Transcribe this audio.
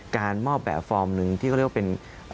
การมอบแบบฟอร์มหนึ่งที่เขาเรียกว่าเป็น